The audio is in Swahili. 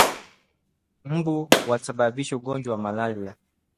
Mbu wasababisha ungonjwa ya malaria